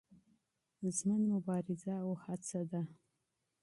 ژوند مبارزه او هڅه ده.